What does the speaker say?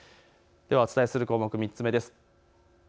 お伝えする項目３つ目です。